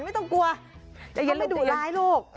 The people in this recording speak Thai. ไม่ต้องกลัวหลานไม่ต้องกลัว